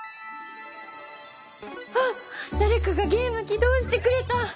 あっだれかがゲーム起動してくれた！